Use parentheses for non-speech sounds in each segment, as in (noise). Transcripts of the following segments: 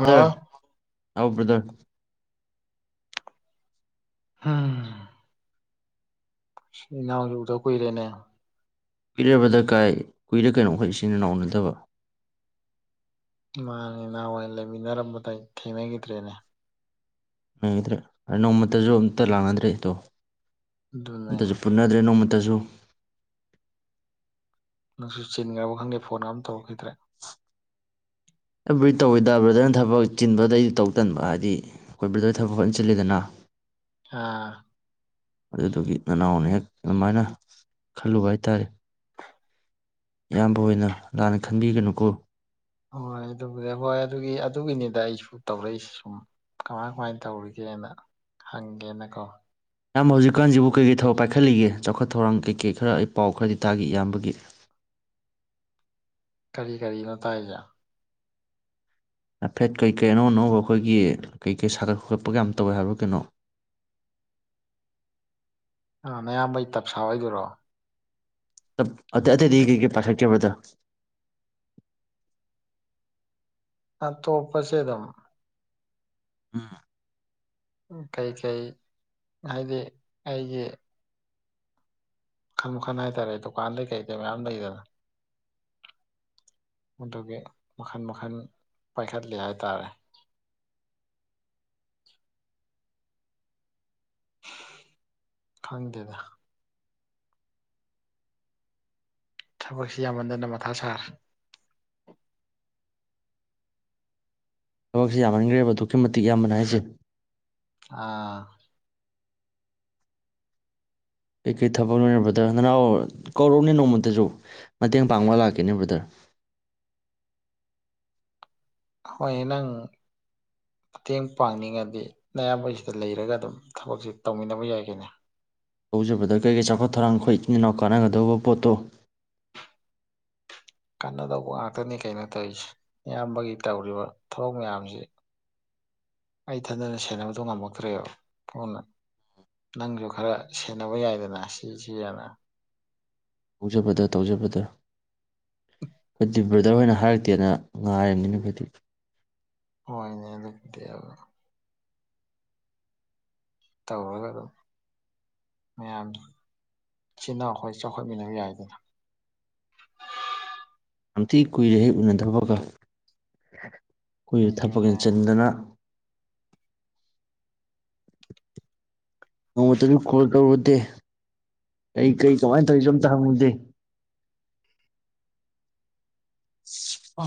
ꯍꯥꯎ ꯍꯥꯎ brother ꯎꯝ ꯏꯅꯥꯎꯁꯨ ꯎꯗ ꯀꯨꯏꯔꯦꯅꯦ ꯀꯨꯏꯔꯦ ꯕ꯭ꯔꯗꯔ ꯀꯥꯏ ꯀꯨꯏꯔꯦ ꯀꯩꯅꯣ ꯑꯩꯈꯣꯏ ꯏꯆꯤꯟ ꯏꯅꯥꯎ ꯎꯅꯗꯕ ꯃꯥꯅꯦ ꯅꯍꯥꯟ ꯋꯥꯏ ꯂꯩꯃꯤꯟꯅꯔꯝꯕꯗ ꯊꯦꯡꯅꯈꯤꯗ꯭ꯔꯦꯅꯦ ꯊꯦꯡꯅꯗ꯭ꯔꯦ ꯅꯣꯡꯃꯇꯁꯨ ꯑꯝꯇ ꯂꯥꯛꯅꯗ꯭ꯔꯦ ꯑꯗꯣ ꯑꯗꯨꯅꯦ ꯎꯅꯗ꯭ꯔꯦ ꯅꯣꯡꯃꯇꯁꯨ ꯅꯪꯁꯨ ꯆꯤꯟꯈ꯭ꯔꯕ ꯈꯪꯗꯦ ꯐꯣꯟꯒ ꯑꯃꯇ ꯇꯧꯔꯛꯈꯤꯗ꯭ꯔꯦ ꯑꯩꯕꯨꯗꯤ ꯇꯧꯋꯤꯗ ꯕ꯭ꯔꯗꯅ ꯊꯕꯛ ꯆꯤꯟꯕꯗꯩꯗꯤ ꯇꯧ ꯇꯟꯕ ꯍꯥꯏꯗꯤ ꯑꯩꯈꯣꯏ ꯕꯔꯗꯔ ꯊꯕꯛ ꯐꯖꯅ ꯆꯤꯜꯂꯤꯗꯅ ꯑꯥ ꯑꯗꯨꯗꯨꯒꯤ ꯅꯅꯥꯎꯅ ꯍꯦꯛ ꯑꯗꯨꯃꯥꯏꯅ ꯈꯜꯂꯨꯕ ꯍꯥꯏꯇꯥꯔꯦ ꯏꯌꯥꯝꯕ ꯍꯣꯏꯅ ꯂꯥꯟꯅ ꯈꯟꯕꯤꯒꯅꯨꯀꯣ ꯍꯣꯏ ꯑꯗꯨꯕꯨꯗꯤ ꯍꯣꯏ ꯑꯗꯨꯒꯤ ꯑꯗꯨꯒꯤꯅꯤꯗ ꯑꯩꯁꯨ ꯇꯧꯔꯛꯏꯁꯦ ꯁꯨꯝ ꯀꯃꯥꯏ ꯀꯃꯥꯏꯅ ꯇꯧꯔꯤꯒꯦꯅ ꯍꯪꯒꯦꯅꯀꯣ ꯏꯌꯥꯝꯕ ꯍꯧꯖꯤꯛꯀꯥꯟꯁꯤꯕꯨ ꯀꯩꯀꯩ ꯊꯕꯛ ꯄꯥꯏꯈꯠꯂꯤꯒꯦ ꯆꯥꯎꯈꯠ ꯊꯧꯔꯥꯡ ꯀꯩꯀꯩ ꯈꯔ ꯑꯩ ꯄꯥꯎ ꯈꯔꯗꯤ ꯇꯥꯈꯤ ꯏꯌꯥꯝꯕꯒꯤ ꯀꯔꯤ ꯀꯔꯤꯅꯣ ꯇꯥꯏꯖꯦ ꯍꯥꯏꯐꯦꯠ ꯀꯩꯀꯩ ꯑꯅꯧ ꯑꯅꯧꯕ ꯑꯩꯈꯣꯏꯒꯤ ꯀꯩꯀꯩ ꯁꯥꯒꯠꯄ ꯈꯣꯒꯠꯄꯒ ꯌꯥꯝ ꯇꯧꯋꯦ ꯍꯥꯏꯕ꯭ꯔꯣ ꯀꯩꯅꯣ ꯑꯥ ꯅꯌꯥꯝꯕꯩ ꯇꯞ ꯁꯥꯕꯩꯗꯨꯔꯣ ꯑ ꯑꯇꯩ ꯑꯇꯩꯗꯤ ꯀꯩ ꯀꯩ ꯄꯥꯏꯈꯠꯀꯦ ꯕꯔꯗꯔ ꯑꯇꯣꯞꯄꯁꯤ ꯑꯗꯨꯝ ꯎꯝ ꯀꯩꯀꯩ ꯍꯥꯏꯗꯤ ꯑꯩꯒꯤ ꯃꯈꯟ ꯃꯈꯟ ꯍꯥꯏꯇꯥꯔꯦ ꯗꯨꯀꯥꯟꯗꯩ ꯀꯩꯗꯩ ꯃꯌꯥꯝ ꯂꯩꯗꯅ ꯃꯗꯨꯒꯤ ꯃꯈꯟ ꯃꯈꯜ ꯄꯥꯏꯈꯠꯂꯤ ꯍꯥꯏꯇꯥꯔꯦ ꯈꯪꯗꯦꯗ ꯊꯕꯛꯁꯤ ꯌꯥꯝꯃꯟꯗꯅ ꯃꯊꯥ ꯁꯥꯔꯦ ꯊꯕꯛꯁꯦ ꯌꯥꯝꯃꯟꯈ꯭ꯔꯦꯕ ꯑꯗꯨꯛꯀꯤ ꯃꯇꯤꯛ ꯌꯥꯝꯕꯅ ꯍꯥꯏꯁꯦ ꯑꯥ ꯀꯩꯀꯩ ꯊꯕꯛ ꯅꯣꯅꯦ ꯕ꯭ꯔꯗꯔ ꯅꯅꯥꯎ ꯀꯧꯔꯛꯅꯦ ꯅꯣꯡꯃꯗꯁꯨ ꯃꯇꯦꯡ ꯄꯥꯡꯕ ꯂꯥꯛꯀꯦꯅꯦ ꯕ꯭ꯔꯗꯔ ꯍꯣꯏ ꯅꯪ ꯃꯇꯦꯡ ꯄꯥꯡꯅꯤꯡꯉꯗꯤ ꯅꯌꯥꯝꯕꯒꯤꯁꯤꯗ ꯂꯩꯔꯒ ꯑꯗꯨꯝ ꯊꯕꯛꯁꯦ ꯇꯧꯃꯤꯟꯅꯕ ꯌꯥꯏ ꯀꯩꯅꯣ ꯇꯧꯁꯦ ꯕꯔꯗꯔ ꯀꯩ ꯀꯩ ꯆꯥꯎꯈꯠ ꯊꯧꯔꯥꯡ ꯑꯩꯈꯣꯏ ꯏꯆꯤꯟ ꯏꯅꯥꯎ ꯀꯥꯟꯅꯒꯗꯕ ꯄꯣꯠꯇꯣ ꯀꯅꯗꯧꯕ ꯉꯥꯛꯇꯅꯤ ꯀꯩꯅꯣ ꯇꯧꯔꯤꯁꯦ ꯏꯌꯥꯝꯕꯒꯤ ꯇꯧꯔꯤꯕ ꯊꯕꯛ ꯃꯌꯥꯝꯁꯤ ꯑꯩ ꯏꯊꯟꯗꯅ ꯁꯦꯟꯅꯕꯗꯣ ꯉꯝꯃꯛꯇ꯭ꯔꯦꯕ ꯐꯣꯟꯅ ꯅꯪꯁꯨ ꯈꯔ ꯁꯦꯟꯅꯕ ꯌꯥꯏꯗꯅ ꯁꯤ ꯁꯤ ꯌꯥꯅ ꯇꯧꯁꯦ ꯕꯔꯗꯔ ꯇꯧꯁꯦ ꯕꯔꯗꯔ ꯑꯩꯈꯣꯏꯗꯤ ꯕ꯭ꯔꯗꯔ ꯍꯣꯏꯅ ꯍꯥꯏꯔꯛꯇꯦꯅ ꯉꯥꯏꯔꯤꯃꯤꯅꯦ ꯑꯩꯈꯣꯏꯗꯤ ꯍꯣꯏꯅꯦ ꯑꯗꯨꯗꯤꯕ ꯇꯧꯒꯗꯣ (unintelligible) ꯃꯌꯥꯝ ꯆꯤꯟ ꯏꯅꯥꯎ ꯑꯩꯈꯣꯏ ꯆꯥꯎꯈꯠꯃꯤꯟꯅꯕ ꯌꯥꯏꯗ ꯌꯥꯝ ꯊꯤ ꯀꯨꯏꯔꯦꯍꯦ ꯎꯅꯗꯕꯒ ꯑꯩꯈꯣꯏꯁꯨ ꯊꯕꯛ ꯑꯗꯨꯅꯦ ꯌꯦꯡꯆꯟꯗꯅ (inaudible) ꯅꯣꯡꯃꯇꯁꯨ ꯀꯣꯜ ꯇꯧꯔꯨꯗꯦ ꯀꯩ ꯀꯩ ꯀꯃꯥꯏꯟ ꯇꯧꯔꯤꯁꯨ ꯑꯝꯇ ꯍꯪꯉꯨꯗꯦ ꯑ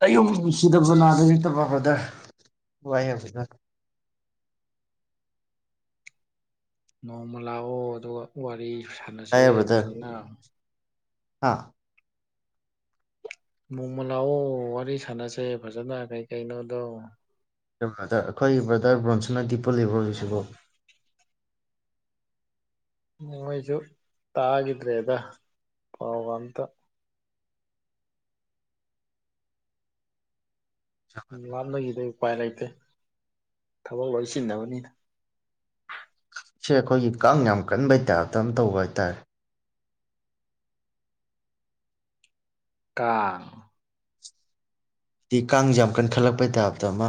ꯍꯩꯌꯨꯝꯁꯤꯗꯕ ꯅꯥꯗ ꯌꯦꯛꯇꯕ ꯕꯔꯗꯔ ꯋꯥꯏ (unintelligible) ꯅꯣꯡꯃ ꯂꯥꯛꯑꯣ ꯑꯗꯨꯒ ꯋꯥꯔꯤ ꯁꯥꯟꯅꯁꯦ ꯋꯥꯏꯍꯦ ꯕ꯭ꯔꯗꯔ ꯐꯖꯅ ꯍꯥ ꯅꯣꯡꯃ ꯂꯥꯛꯑꯣ ꯋꯥꯔꯤ ꯁꯥꯟꯅꯁꯦ ꯐꯖꯅ ꯀꯩ ꯀꯩꯅꯣꯗꯣ ꯑꯦ ꯕ꯭ꯔꯗꯔ ꯑꯩꯈꯣꯏꯒꯤ ꯕ꯭ꯔꯗꯔ ꯕ꯭ꯔꯣꯟꯁꯅꯗꯤ ꯄꯨꯜꯂꯤꯕ꯭ꯔꯣ ꯍꯧꯖꯤꯛꯁꯤꯕꯣ ꯃꯣꯏꯁꯨ ꯇꯥꯒꯤꯗ꯭ꯔꯦꯗ ꯄꯥꯎꯒ ꯑꯝꯇ ꯂꯥꯞꯅꯈꯤꯗꯩ ꯎꯄꯥꯏ ꯂꯩꯇꯦ ꯊꯕꯛ ꯂꯣꯏ ꯆꯤꯟꯅꯕꯅꯤꯅ ꯁꯤ ꯑꯩꯈꯣꯏꯒꯤ ꯀꯥꯡ ꯌꯥꯝ ꯀꯟꯕꯩ ꯇꯥꯏꯞꯇ ꯑꯝ ꯇꯧꯕ ꯍꯥꯏꯇꯥꯔꯦ ꯀꯥ ꯇꯤ ꯀꯥꯡꯁꯦ ꯌꯥꯝ ꯀꯟꯈꯠꯂꯛꯄꯩ ꯇꯥꯏꯞꯇ ꯑꯃ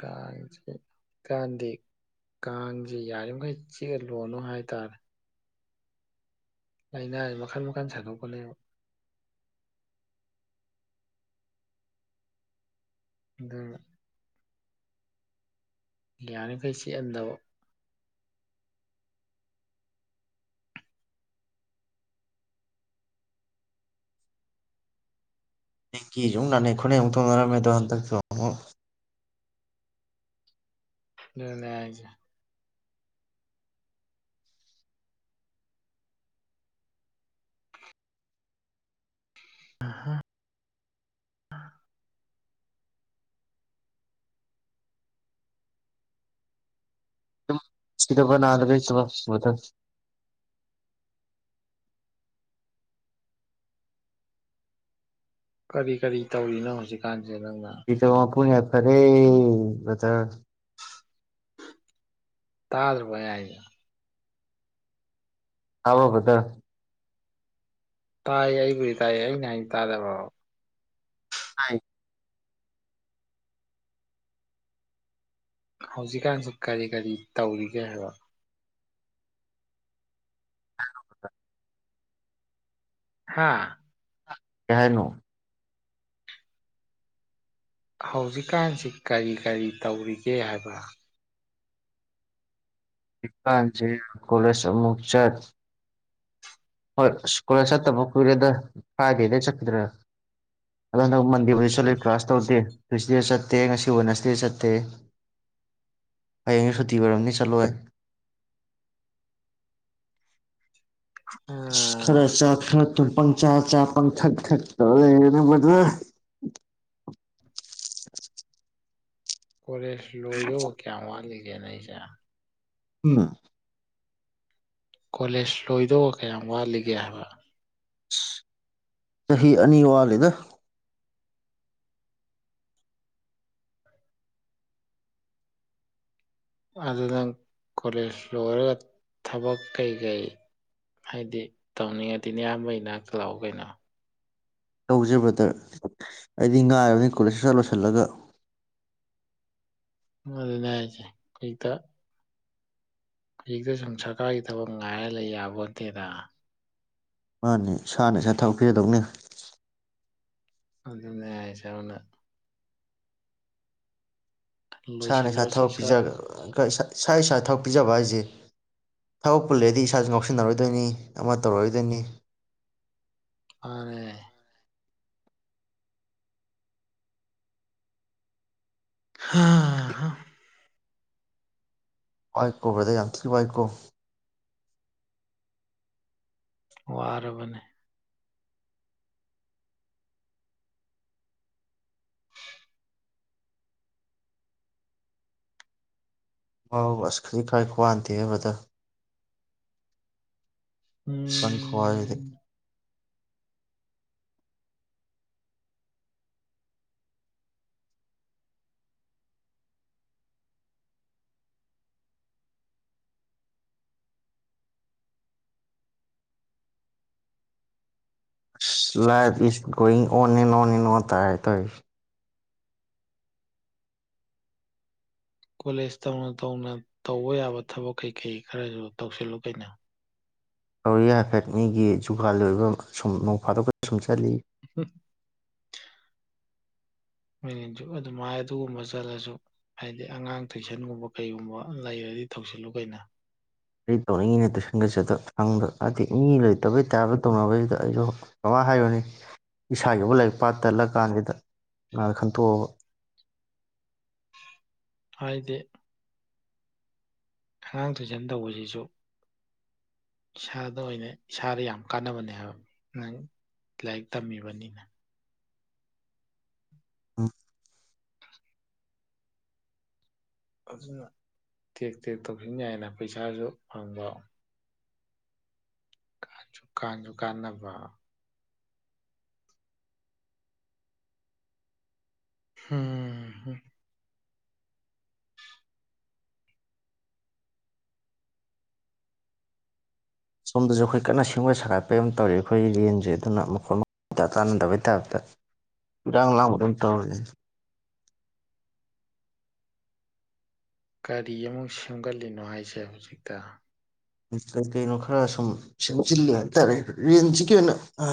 ꯀꯥꯡꯁꯦ ꯀꯥꯟꯗꯤ ꯀꯥꯡꯁꯦ ꯌꯥꯔꯤꯃꯈꯩ ꯆꯦꯜꯂꯣꯅꯣ ꯍꯥꯏꯇꯥꯔꯦ ꯂꯩꯅꯥꯁꯦ ꯃꯈꯜ ꯃꯈꯜ ꯁꯟꯗꯣꯛꯄꯅꯦꯕ ꯑꯗꯨ ꯌꯥꯔꯤꯈꯩ ꯆꯤꯛꯍꯟꯗꯕ ꯅꯦꯡꯀꯤ ꯁꯨ ꯑꯃꯨ ꯅꯥꯅꯩ ꯈꯣꯅꯩ ꯑꯃꯨꯛ ꯊꯣꯡꯅꯔꯝꯃꯦꯗꯣ ꯍꯟꯗꯛꯇꯣ ꯗꯨꯅꯦ ꯍꯥꯢꯁꯤ ꯑꯍ ꯑ ꯗꯨꯝ ꯁꯤꯗꯕ ꯅꯥꯗꯕ ꯂꯩꯇꯕ ꯕꯔꯗꯔ ꯀꯔꯤ ꯀꯔꯤ ꯇꯧꯔꯤꯅꯣ ꯍꯧꯖꯤꯛꯀꯥꯟꯁꯦ ꯅꯪꯅ ꯗꯤꯗ (unintelligible) ꯌꯥꯏꯐꯔꯦ ꯕꯔꯗꯔ ꯇꯥꯗꯔꯕꯣ ꯑꯩ ꯍꯥꯏꯖꯦ ꯇꯥꯕꯔꯣ ꯕꯔꯗꯔ ꯇꯥꯏꯌꯦ ꯑꯩꯕꯨꯗꯤ ꯇꯥꯏꯌꯦ ꯑꯩꯅ ꯍꯥꯏ ꯇꯥꯗꯕꯣ ꯍꯥꯏ ꯍꯧꯖꯤꯛꯀꯥꯟꯁꯤ ꯀꯔꯤ-ꯀꯔꯤ ꯇꯧꯔꯤꯒꯦ ꯍꯥꯏꯕ꯫ ꯍꯥ (inaudible) ꯍꯥꯥ ꯀꯩ ꯍꯥꯏꯅꯣ꯫ ꯍꯧꯖꯤꯛꯀꯥꯟꯁꯤ ꯀꯔꯤ-ꯀꯔꯤ ꯇꯧꯔꯤꯒꯦ ꯍꯥꯏꯕ꯫ (inaudible) ꯀꯣꯂꯦꯖ ꯑꯃꯨꯛ ꯆꯠ ꯍꯣꯏ ꯑꯁ ꯀꯣꯂꯦꯖ ꯆꯠꯇꯕ ꯀꯨꯏꯔꯦꯗ ꯐ꯭ꯔꯥꯏꯗꯩ ꯆꯠꯄꯗꯨꯅ꯫ ꯑꯗꯣ ꯍꯟꯛ ꯃꯟꯗꯦꯕꯣ ꯆꯠꯂꯦ ꯀ꯭ꯂ꯭ꯥꯁ ꯇꯧꯗꯦ ꯇꯨꯏꯁꯗꯦ ꯆꯠꯇꯦ ꯉꯁꯤ ꯋꯦꯠꯅꯦꯁꯗꯦ ꯆꯠꯇꯦ꯫ ꯎꯝ (inaudible) ꯍꯌꯦꯡ ꯁꯨꯇꯤ ꯑꯣꯏꯔꯝꯅꯤ ꯆꯠꯂꯣꯏ꯫ ꯍꯥ (inaudible) ꯈꯔ ꯆꯥ ꯈꯔ ꯇꯨꯝ ꯄꯪꯆꯥ ꯆꯥ ꯄꯪꯊꯛ ꯊꯛ ꯇꯩꯔꯒ ꯂꯩꯔꯦꯅ ꯑꯩꯈꯣꯏꯗꯤ꯫ ꯀꯣꯂꯦꯖ ꯂꯣꯏꯗꯧꯕ ꯀꯌꯥꯝ ꯋꯥꯠꯂꯤꯒꯦ ꯅꯪꯒꯤꯁꯦ꯫ ꯎꯝ꯫ ꯀꯣꯂꯦꯖ ꯂꯣꯏꯗꯣꯕ ꯀꯌꯥꯝ ꯋꯥꯠꯂꯤꯒꯦ ꯍꯥꯏꯕ꯫ ꯑꯁ ꯆꯍꯤ ꯑꯅꯤ ꯋꯥꯠꯂꯤꯗ꯫ ꯑꯗꯨ ꯅꯪ ꯀꯣꯂꯦꯖ ꯂꯣꯏꯔꯒ ꯊꯕꯛ ꯀꯩ-ꯀꯩ꯫ ꯍꯥꯏꯗꯤ ꯇꯧꯅꯤꯡꯉꯗꯤ ꯅꯌꯥꯝꯕꯩ ꯅꯥꯛꯇ ꯂꯥꯛ ꯎ ꯀꯩꯅꯣ꯫ ꯇꯧꯖꯤ ꯕ꯭ꯔꯗꯔ ꯑꯩꯗꯤ ꯉꯥꯏꯕꯅꯤ ꯀꯣꯂꯦꯖ ꯁꯠ-ꯁꯠ ꯂꯣꯏꯁꯤꯜꯂꯒ꯫ ꯑꯗꯨꯅꯦ ꯍꯥꯏꯁꯦ ꯍꯧꯖꯤꯛꯇ꯫ ꯍꯧꯖꯤꯛꯇ ꯁꯨꯝ ꯁꯔꯀꯥꯔꯒꯤ ꯊꯕꯛ ꯉꯥꯏꯔ ꯂꯩ ꯌꯥꯕꯣ ꯅꯠꯇꯦꯗ꯫ ꯃꯥꯅꯦ ꯏꯁꯥꯅ ꯏꯁꯥꯒꯤ ꯊꯕꯛ ꯄꯤꯖꯗꯧꯅꯦ꯫ ꯑꯗꯨꯅꯦ ꯍꯥꯏꯒꯦ ꯑꯗꯨꯅ ꯏꯁꯥꯅ ꯂꯣꯏꯁꯤꯜꯂꯣ ꯏꯁꯥ ꯁꯠ ꯊꯕꯛ ꯄꯤꯖ ꯁꯠ ꯏꯁꯥ ꯏꯁꯥ ꯊꯕꯛ ꯄꯤꯖꯕ ꯍꯥꯏꯁꯦ ꯊꯕꯛꯄꯨ ꯂꯩꯗꯤ ꯏꯁꯥꯁꯨ ꯉꯥꯎꯁꯤꯟꯅꯔꯣꯏꯗꯣꯏꯅꯤ ꯑꯃ ꯇꯧꯔꯣꯏꯗꯣꯏꯅꯤ꯫ ꯃꯥꯅꯦ꯫ ꯍꯥ-ꯍꯥ꯫ ꯋꯥꯏꯀꯣ ꯕ꯭ꯔꯗꯔ ꯌꯥꯝ ꯊꯤꯅ ꯋꯥꯏꯀꯣ꯫ ꯋꯥꯔꯕꯅꯦ꯫ ꯋꯥꯕꯕꯨ ꯈꯖꯤꯛ-ꯈꯔꯥꯛ ꯈꯨꯋꯥ ꯅꯠꯇꯦꯍꯦ brother. (inaudible) ꯈꯨꯋꯥꯖꯤꯗꯤ꯫ Um life is on ꯅꯦꯅꯣ-ꯅꯦꯅꯣ ꯇꯥꯏꯍꯦ ꯇꯧꯔꯤꯁꯦ꯫ ꯀꯣꯂꯦꯖ ꯇꯧꯅ-ꯇꯧꯅ ꯇꯧꯕ ꯌꯥꯕ ꯊꯕꯛ ꯀꯩ ꯀꯩ ꯈꯔꯁꯨ ꯇꯧꯁꯤꯜꯂꯨ ꯀꯩꯅꯣ꯫ (inaudible) ꯁꯨꯝ ꯅꯣꯡ ꯐꯥꯗꯣꯛꯀ ꯁꯨꯝ ꯆꯠꯂꯤꯌꯦ꯫ ꯑꯍꯝ (inaudible) (unintelligible) (unintelligible) ꯑꯗꯨꯃꯥꯏ ꯑꯗꯨꯒꯨꯝꯕ ꯆꯠꯂꯁꯨ꯫ ꯍꯥꯏꯗꯤ ꯑꯉꯥꯡ ꯇꯨꯏꯁꯟꯒꯨꯝꯕ ꯀꯩꯒꯨꯝꯕ ꯂꯩꯔꯗꯤ ꯇꯧꯁꯤꯜꯂꯨ ꯀꯩꯅꯣ꯫ ꯑꯩ ꯇꯧꯅꯤꯡꯉꯤꯅꯦ ꯇꯨꯏꯁꯟꯒꯖꯦ ꯐꯪꯗꯕ ꯍꯥꯏꯗꯤ ꯃꯤ (unintelligible) ꯇꯧꯅꯕꯁꯤꯗ ꯑꯩꯁꯨ ꯀꯃꯥꯏ ꯍꯥꯏꯔꯨꯅꯤ ꯏꯁꯥꯒꯤꯕꯨ ꯂꯥꯏꯔꯤꯛ ꯄꯥ ꯇꯜꯂꯀꯥꯟꯁꯤꯗ (inaudible) ꯈꯟꯇꯣꯛꯑꯕ ꯍꯥꯏꯗꯤ꯫ ꯑꯉꯥꯡ ꯇꯨꯏꯁꯟ ꯇꯧꯕꯖꯤꯁꯨ ꯏꯁꯥꯗ ꯑꯣꯏꯅ ꯏꯁꯥꯗ ꯌꯥꯝ ꯀꯥꯟꯅꯕꯅꯦ ꯍꯥꯏꯕ꯫ ꯂꯥꯏꯔꯤꯛ ꯇꯝꯃꯤꯕꯅꯤꯅ꯫ ꯎꯃ꯫ ꯑ (unintelligible) ꯑꯗꯨꯅ ꯇꯦꯛ-ꯇꯦꯛ ꯇꯧꯁꯤꯟ ꯌꯥꯏꯅ ꯄꯩꯁꯥꯁꯨ ꯐꯪꯕ꯫ ꯨ ꯀꯥꯟꯁꯨ ꯀꯥꯟꯅꯕ꯫ ꯍꯝ (unintelligible) ꯁꯣꯝꯗꯁꯨ ꯑꯩꯈꯣꯏ ꯀꯟꯅ ꯁꯦꯝꯒꯠ ꯁꯥꯒꯠꯄꯩ ꯑꯃ ꯇꯧꯔꯤ ꯑꯩꯈꯣꯏꯒꯤ ꯔꯦꯟꯁꯦ ꯑꯗꯨꯅ ꯃꯈꯣꯠ ꯑꯃ (inaudible) (unintelligible) ꯀꯔꯤ ꯑꯃꯨꯛ ꯁꯦꯝꯒꯠꯂꯤꯅꯣ ꯍꯥꯏꯁꯦ ꯍꯧꯖꯤꯛꯇ꯫ ꯀꯩ ꯀꯩꯅꯣ ꯈꯔ ꯁꯨꯝ ꯁꯦꯝꯆꯤꯜꯂꯤ ꯍꯥꯏꯇꯥꯔꯦ ꯔꯦꯟꯁꯤꯒꯤ ꯑꯣꯏꯅ ꯑ꯫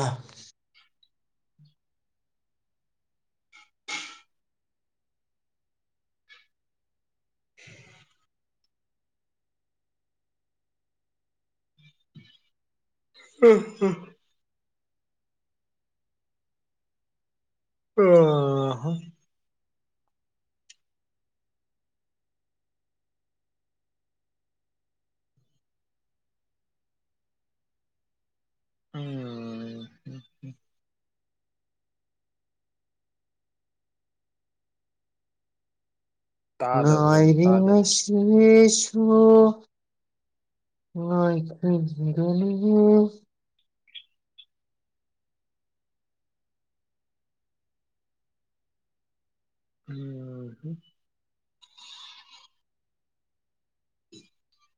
(unintelligible) ꯍꯥ ꯍꯥ ꯍꯥ ꯑ ꯍꯥ ꯎꯝ ꯇꯥꯗ꯭ꯔꯕꯣ ꯀꯩꯅꯣ ꯉꯥꯏꯔꯤ ꯇꯥꯗꯦ ꯉꯁꯤꯁꯨ꯫ ꯉꯥꯏ (unintelligible) ꯎꯝꯍꯨꯝ (unintelligible)